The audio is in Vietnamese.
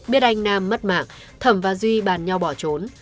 biết anh nam mất mạng thẩm và duy bàn nhau bỏ trốn